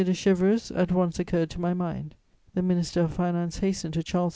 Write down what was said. de Chéverus at once occurred to my mind. The Minister of Finance hastened to Charles X.